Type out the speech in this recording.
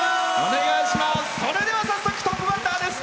それでは早速トップバッターです。